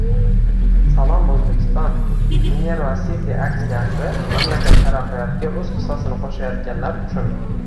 Salom, O‘zbekiston — Minerva City aksiyasi mamlakat taraqqiyotiga o‘z hissasini qo‘shayotganlar uchun